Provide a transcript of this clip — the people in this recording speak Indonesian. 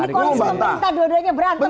ini kok harus pemerintah dua duanya berantem ini